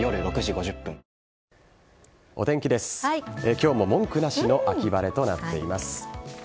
今日も文句なしの秋晴れとなっています。